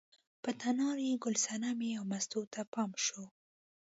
په تنار یې ګل صنمې او مستو ته پام شو.